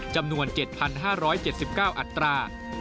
จำนวน๗๕๗๙อัตรา